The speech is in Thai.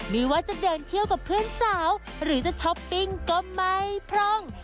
ไม่ว่าจะเดินเที่ยวกับเพื่อนสาวหรือจะช้อปปิ้งก็ไม่พร่อง